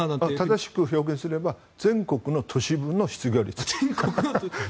正しく表現すれば全国の都市部の失業率。